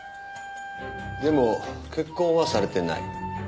でも結婚はされてない？